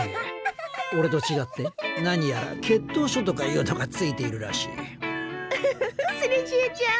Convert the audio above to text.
オレと違って何やら血統書とかいうのがついているらしいウフフフッスリジエちゃん。